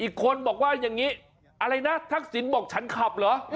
อีกคนบอกว่าอย่างนี้อะไรนะทักษิณบอกฉันขับเหรอ